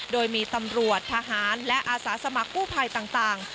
โดยมีตำรวจทหารและอาสาสมัครกู้ภัยต่าง